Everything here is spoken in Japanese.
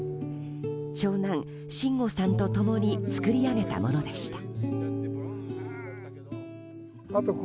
長男・真吾さんと共につくり上げたものでした。